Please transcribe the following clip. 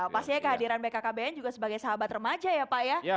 pastinya kehadiran bkkbn juga sebagai sahabat remaja ya pak ya